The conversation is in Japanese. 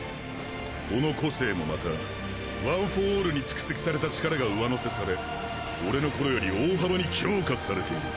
この個性もまたワン・フォー・オールに蓄積された力が上乗せされ俺の頃より大幅に強化されている。